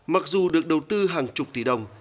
mặc dù được đầu tư hàng chục tỷ đồng